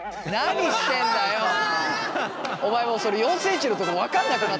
お前もうそれ４ｃｍのとこ分かんなくなって。